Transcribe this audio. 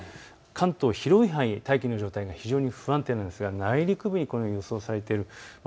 関東、広い範囲大気の状態が非常に不安定ですが内陸部にこのように予想されています。